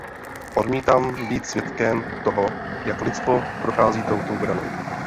Odmítám být svědkem toho, jak lidstvo prochází touto bránou.